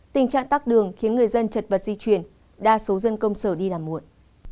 tình trạng tắc đường khiến người dân trật vật di chuyển đa số dân công sở đi làm muộn